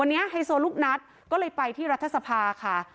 วันนี้ไฮโซลูกนัดก็เลยไปที่รัฐสภาค่ะ